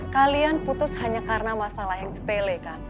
kalian putus hanya karena masalah yang sepele kan